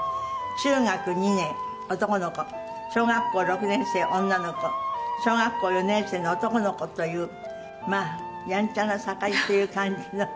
中学２年男の子小学校６年生女の子小学校４年生の男の子というまあやんちゃな盛りっていう感じの。